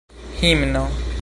himno